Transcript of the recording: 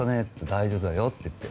大丈夫だよって。